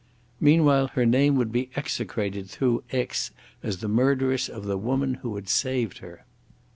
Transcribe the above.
Meanwhile her name would be execrated through Aix as the murderess of the woman who had saved her.